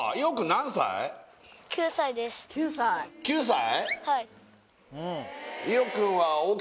９歳？